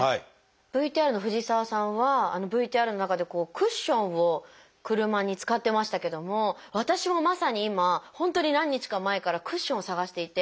ＶＴＲの藤沢さんはＶＴＲの中でクッションを車に使ってましたけども私もまさに今本当に何日か前からクッションを探していて。